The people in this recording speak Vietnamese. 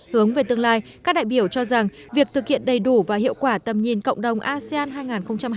hướng về tương lai các đại biểu cho rằng việc thực hiện đầy đủ và hiệu quả tầm nhìn cộng đồng asean hai nghìn hai mươi năm